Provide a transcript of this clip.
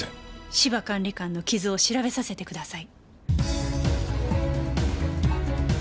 芝管理官の傷を調べさせてください。